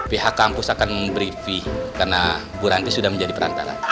pihak kampus akan memberi fee karena bu ranti sudah menjadi perantara